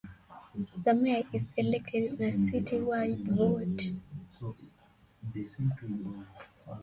The mayor is elected in a citywide vote.